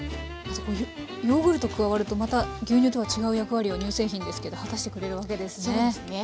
ヨーグルト加わるとまた牛乳とは違う役割を乳製品ですけど果たしてくれるわけですね。